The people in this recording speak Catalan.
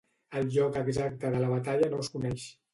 El lloc exacte de la batalla no es coneix.